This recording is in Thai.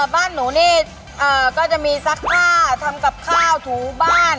บ้านหนูนี่ก็จะมีซักผ้าทำกับข้าวถูบ้าน